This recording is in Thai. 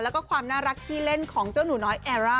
แล้วก็ความน่ารักขี้เล่นของเจ้าหนูน้อยแอร่า